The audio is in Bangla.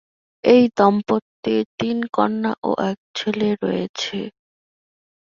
এই দম্পতির তিন কন্যা ও এক ছেলে রয়েছে।